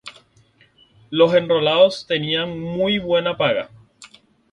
Los enrolados tenían muy buena paga.